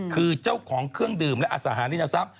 คือเจ้าของเครื่องดื่มและอสหารินทรัพย